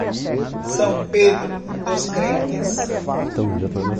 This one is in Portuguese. São Pedro dos Crentes